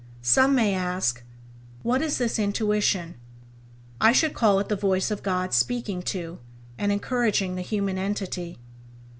Some may ask: What is this Intuition ? I should call it the voice of God speaking to, and encouraging the human entity.